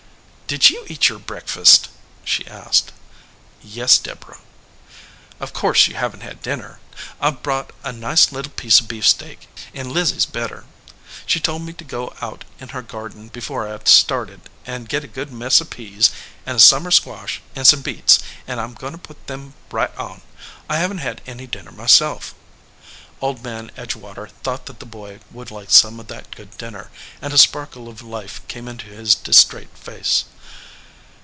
"Did you eat your breakfast?" she asked. "Yes, Deborah." "Of course you haven t had dinner. I ve brought a nice little piece of beefsteak ; and Lizzie s better. She told me to go out in her garden before I started and get a good mess of peas, and a summer squash, and some beets, and I m going to put them right on. I haven t had any dinner myself." Old Man Etigewater thought that the boy would like some of that good dinner, and a sparkle of life came into his distrait face.